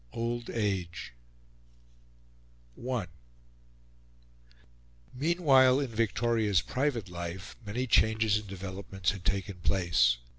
OLD AGE I Meanwhile in Victoria's private life many changes and developments had taken place.